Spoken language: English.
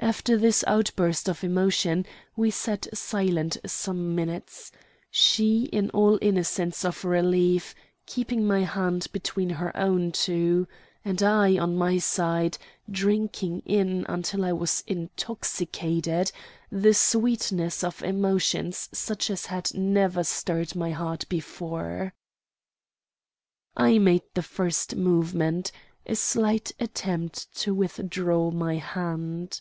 After this outburst of emotion we sat silent some minutes she, in all innocence of relief, keeping my hand between her own two; and I, on my side, drinking in, until I was intoxicated, the sweetness of emotions such as had never stirred my heart before. I made the first movement a slight attempt to withdraw my hand.